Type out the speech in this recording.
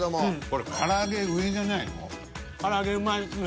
これ唐揚上じゃないの？